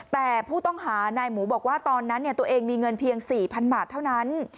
แต่ผู้ต้องหานายหมูบอกว่าตอนนั้นตัวเองมีเงินเพียง๔๐๐๐บาทเท่านั้น